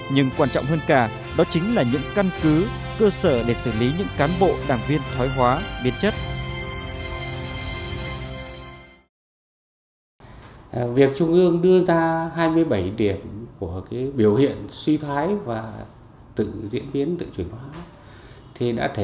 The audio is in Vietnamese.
nhưng quan trọng hơn cả đó chính là những căn cứ cơ sở để xử lý những cán bộ đảng viên thoái hóa biến chất